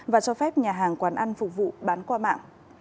và cho phép nhà hàng quán ăn phục vụ bán qua mạng